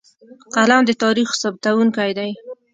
قلم د تاریخ ثبتونکی دی.